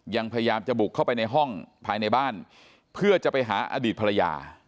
ยังพยายามจะบุกเข้าไปในห้องภายในบ้านเพื่อจะไปหาอดีตภรรยา